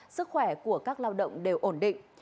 sức khỏe của các lao động đều ổn định